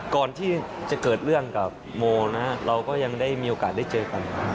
ก่อนที่จะเกิดเรื่องกับโมนะเราก็ยังได้มีโอกาสได้เจอกัน